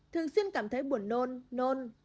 thường xuyên cảm thấy buồn nôn nôn